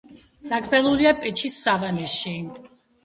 დაკრძალულია პეჩის სავანეში.